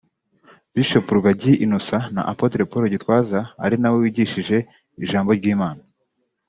Bishop Rugagi Innocent na Apotre Dr Paul Gitwaza ari nawe wigishije ijambo ry'Imana